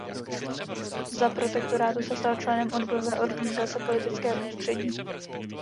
Za protektorátu se stal členem odbojové organizace Politické ústředí.